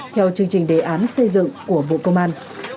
theo chương trình đề án xây dựng của bộ công an